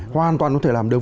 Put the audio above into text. hoàn toàn không thể làm được